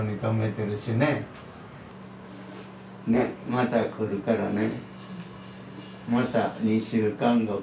また来るからね。